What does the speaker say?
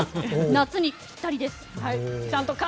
夏にぴったりです。